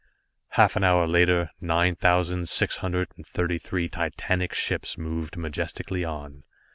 Half an hour later, nine thousand six hundred and thirty three titanic ships moved majestically on.